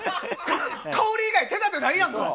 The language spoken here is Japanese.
香り以外手立てないやん！